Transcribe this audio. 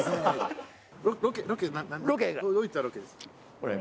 これ。